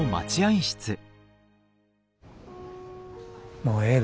もうええで。